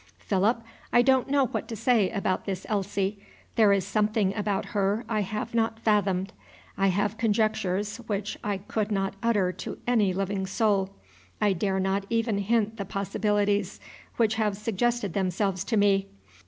Philip, I don't know what to say about this Elsie. There is something about her I have not fathomed. I have conjectures which I could not utter to any living soul. I dare not even hint the possibilities which have suggested themselves to me.